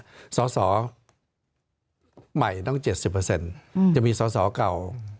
ค่ะสอสอใหม่ต้อง๗๐จะมีสอสอก่าว๓๐